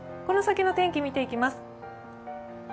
この先の天気、見ていきます。